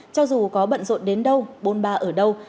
cho dù có bận rộn đến đâu bôn ba ở đâu